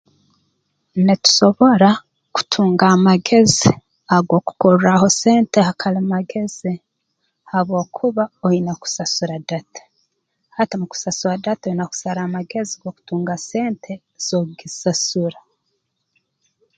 Nitusobora kutunga amagezi ag'okukorraaho sente ha kalimagezi habwokuba oine kusasura data hati mu kusasura data oine kusara amagezi g'okutunga sente z'okugisasura